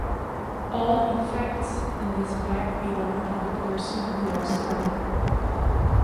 All effects in this bag belong to the person who lost them.